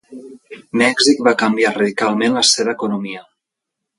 Mèxic va canviar radicalment la seva economia.